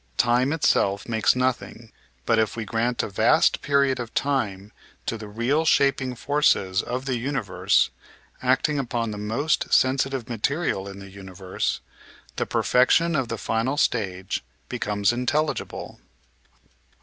Time itself makes nothing; but if we grant a vast period of time to the real shaping forces of the imi verse, acting upon the most sensitive material in the universe, the perfection of the final stage becomes intelligible.